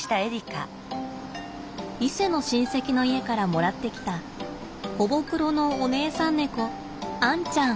伊勢の親戚の家からもらってきたほぼ黒のお姉さん猫あんちゃん。